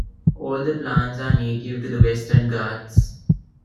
All the plants are native to the Western Ghats.